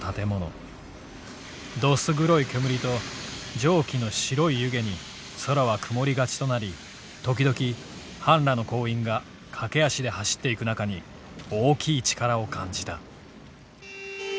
どす黒いけむりと蒸気の白い湯気に空は曇り勝ちとなり時々半裸の工員が駆足で走っていく中に大きい力を感じた」。